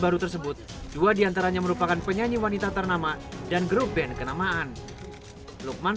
baru tersebut dua diantaranya merupakan penyanyi wanita ternama dan grup band kenamaan lukman